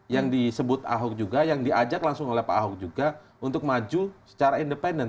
yang disebut ahok juga yang diajak langsung oleh pak ahok juga untuk maju secara independen